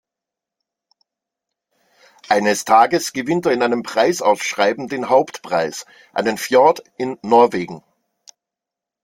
Eines Tages gewinnt er in einem Preisausschreiben den Hauptpreis, einen Fjord in Norwegen.